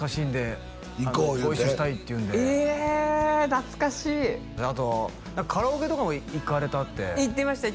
懐かしいあとカラオケとかも行かれたって行ってました